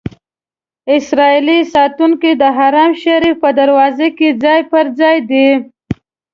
اسرائیلي ساتونکي د حرم شریف په دروازو کې ځای پر ځای دي.